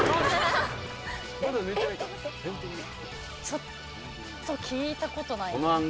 ちょっと聞いたことない。